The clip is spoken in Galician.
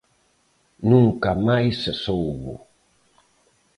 Nunca máis se soubo.